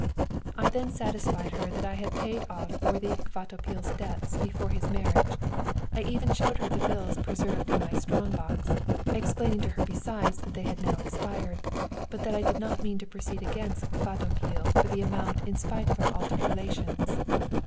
"I then satisfied her that I had paid off all worthy Kvatopil's debts before his marriage. I even showed her the bills preserved in my strong box, explaining to her besides that they had now expired, but that I did not mean to proceed against Kvatopil for the amount in spite of our altered relations.